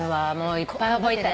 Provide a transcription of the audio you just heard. いっぱい覚えたい。